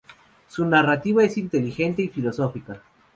Su narrativa es inteligente y filosófica.